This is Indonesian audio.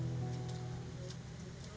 mereka juga menghubungi rumah mereka dengan berbahaya